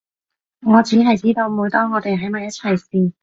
我只係知道每當我哋喺埋一齊時